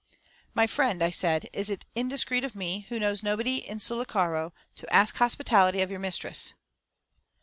"My friend," I said, "is it indiscreet of me, who knows nobody in Sullacaro, to ask hospitality of your mistress?"